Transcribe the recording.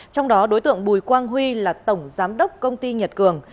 trong đó đối tượng bùi quang huy là tổng giám đốc công ty nhật cường